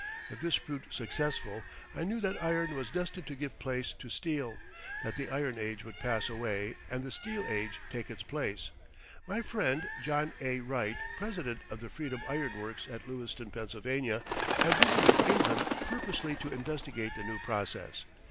If this proved successful I knew that iron was destined to give place to steel; that the Iron Age would pass away and the Steel Age take its place. My friend, John A. Wright, president of the Freedom Iron Works at Lewiston, Pennsylvania, had visited England purposely to investigate the new process.